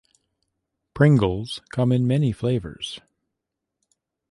Pringles come in many flavors.